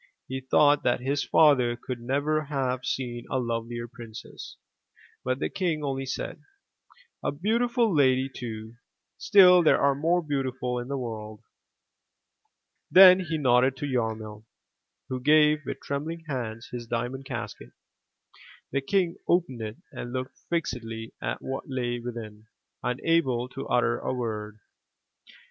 He thought that his father could never have seen a lovelier princess, but the king only said: "A beautiful lady too, still there are more beautiful in the world.*' Then he nodded to Yarmil, who gave with trembling hands his diamond casket. The King opened it and looked fixedly at what lay within, unable to utter a word.